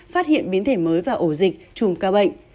phát hiện biến thể mới và ổ dịch chùm ca bệnh